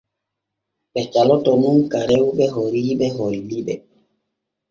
Ɓe caloto nun ka rewɓe oriiɓe holli ɓe.